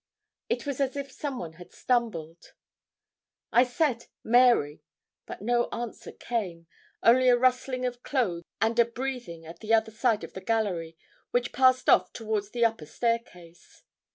It was as if some one had stumbled. I said, 'Mary,' but no answer came, only a rustling of clothes and a breathing at the other side of the gallery, which passed off towards the upper staircase.